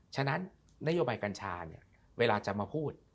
ฉะนั้นนโยบายกัญชาเนี่ยเวลาจะมาพูด